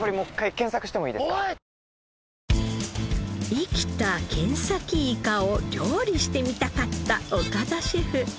生きたケンサキイカを料理してみたかった岡田シェフ。